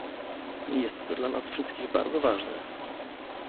Jest to dla nas wszystkich bardzo ważne